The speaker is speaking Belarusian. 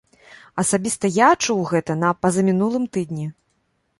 Асабіста я чуў гэта на пазамінулым тыдні.